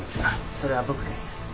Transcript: それは僕がやります。